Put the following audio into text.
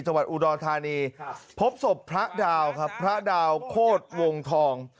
จังหวัดอุดรธานีพบศพพระดาวครับพระดาวโคตรวงทอง